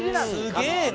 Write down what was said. すげえな！